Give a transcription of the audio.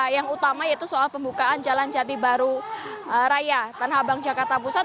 yang utama yaitu soal pembukaan jalan jati baru raya tanah abang jakarta pusat